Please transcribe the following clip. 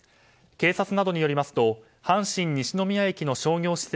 警察などによりますと阪神西宮駅の商業施設